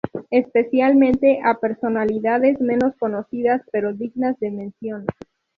Especialmente a personalidades menos conocidas pero dignas de mención.